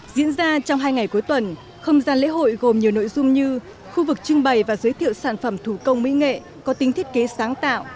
diễn ra trong hai ngày cuối tuần không gian lễ hội gồm nhiều nội dung như khu vực trưng bày và giới thiệu sản phẩm thủ công mỹ nghệ có tính thiết kế sáng tạo